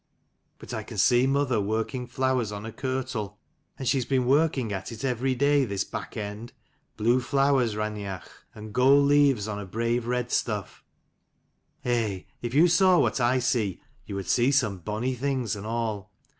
But I can see mother working flowers on a kirtle, and she has been working at it every day this back end : blue flowers, Raineach, and gold leaves on a brave red stuff: eh, if you saw what I see, you would see some bonny things and all.